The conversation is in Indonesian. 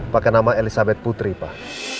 pakai nama elizabeth putri pak